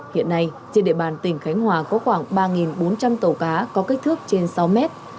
hiện nay trên địa bàn tỉnh khánh hòa có khoảng ba bốn trăm linh tàu cá có kích thước trên sáu mét